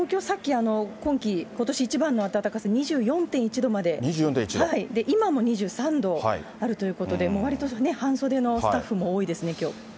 さっき、今季、ことし一番の暖かさ、２４．１度まで、今も２３度あるということで、割りと半袖のスタッフも多いですね、きょう。